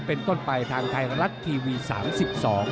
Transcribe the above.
เป็นต้นไปทางไทยรัดทีวี๓๒